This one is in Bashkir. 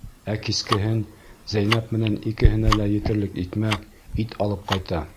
Ә кискеһен Зәйнәп менән икеһенә етерлек икмәк, ит алып ҡайта.